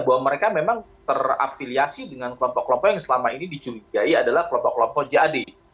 bahwa mereka memang terafiliasi dengan kelompok kelompok yang selama ini dicurigai adalah kelompok kelompok jad